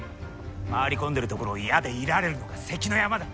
回り込んでるところを矢で射られるのが関の山だ。